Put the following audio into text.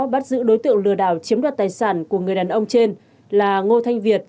bắt giữ đối tượng lừa đảo chiếm đoạt tài sản của người đàn ông trên là ngô thanh việt